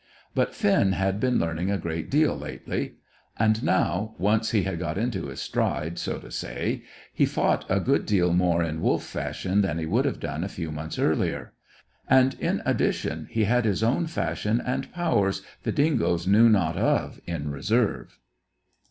But Finn had been learning a good deal lately, and now, once he had got into his stride, so to say, he fought a good deal more in wolf fashion than he would have done a few months earlier; and, in addition, he had his own old fashion and powers the dingoes knew not of in reserve.